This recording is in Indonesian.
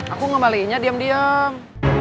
aku ngembalikannya diam diam